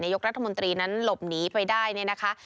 ยกรัฐมนตรีนั้นหลบหนีไปได้เนี่ยนะคะ